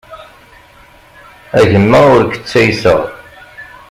A gma ur k-ttayseɣ.